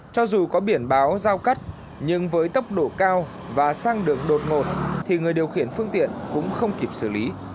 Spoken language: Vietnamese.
cho dù có biển báo giao cắt nhưng với tốc độ cao và xăng được đột ngột thì người điều khiển phương tiện cũng không kịp xử lý